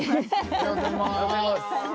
おはようございます。